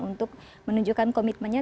untuk menunjukkan komitmennya